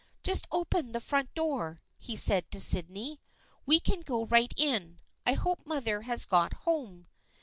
" Just open the front door," he said to Sydney. " We can go right in. I hope mother has got home."